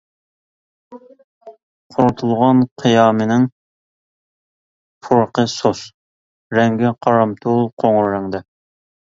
قۇرۇتۇلغان قىيامىنىڭ پۇرىقى سۇس، رەڭگى قارامتۇل قوڭۇر رەڭدە.